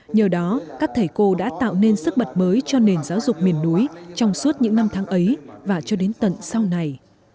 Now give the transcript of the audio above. nhờ đó các thầy cô đã tạo nên sức mật mới cho nền giáo dục miền núi trong suốt những năm tháng ấy và cho đến tận sau này